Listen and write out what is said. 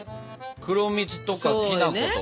黒蜜とかきな粉とか。